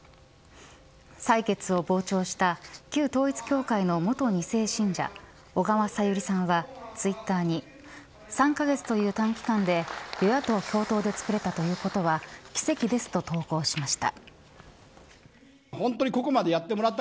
採決を傍聴した旧統一教会の元２世信者小川さゆりさんはツイッターに３カ月という短期間で与野党共闘で作れたということは奇跡ですと投稿しました。